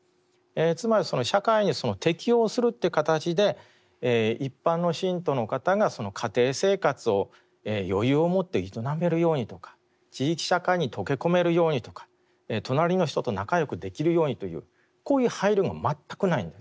つまり社会に適応するっていう形で一般の信徒の方が家庭生活を余裕をもって営めるようにとか地域社会に溶け込めるようにとか隣の人と仲よくできるようにというこういう配慮が全くないんです。